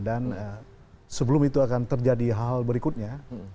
dan sebelum itu akan terjadi hal berikutnya